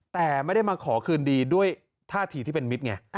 แต่ไม่ได้มาขอคืนดีด้วยท่าทีที่เป็นมิตรไง